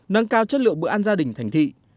nâng cao chất lượng bữa ăn gia đình thành thị